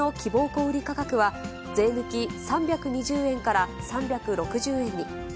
小売り価格は、税抜き３２０円から３６０円に。